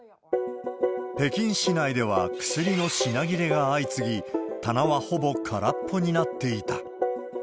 北京市内では、薬の品切れが相次ぎ、棚はほぼ空っぽになっていた。